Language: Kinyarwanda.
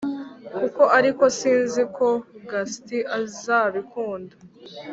kuko ariko sinzi ko Gatsi azabikunda!"